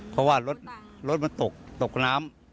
เพราะว่ารถมันตกน้ำ